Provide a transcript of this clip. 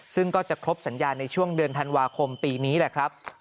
ซึ่งก็จะครบสัญญาในช่วงเดือนธันวาคมปีนี้แหละครับ